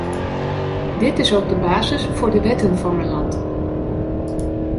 Dit is ook de basis voor de wetten van mijn land.